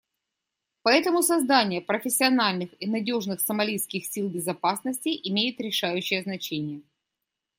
Поэтому создание профессиональных и надежных сомалийских сил безопасности имеет решающее значение.